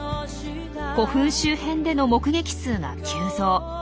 古墳周辺での目撃数が急増。